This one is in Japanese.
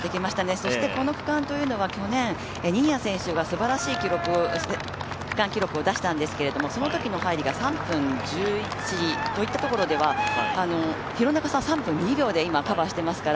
そしてこの区間というのは去年、新谷選手がすばらしい区間記録を出したんですけど、そのときの入りが３分１１といったところでは廣中さん３分２秒でカバーしてますから。